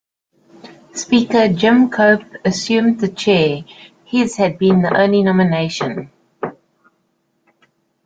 Speaker Jim Cope assumed the chair; his had been the only nomination.